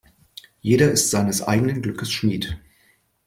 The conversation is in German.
Jeder ist seines eigenen Glückes Schmied.